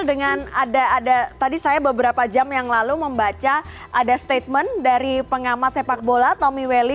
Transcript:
dengan ada tadi saya beberapa jam yang lalu membaca ada statement dari pengamat sepak bola tommy welly